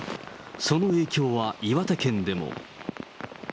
その影響は岩手県でも。